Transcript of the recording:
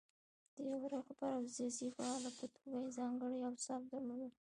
د یوه رهبر او سیاسي فعال په توګه یې ځانګړي اوصاف درلودل.